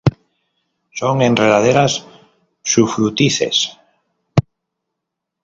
Son enredaderas sufrútices.